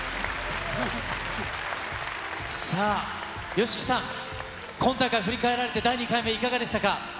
さあ、ＹＯＳＨＩＫＩさん、今大会、振り返られて第２回目、いかがでしたか？